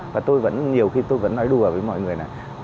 và tôi vẫn nhiều khi tôi vẫn nói đùa với mọi người này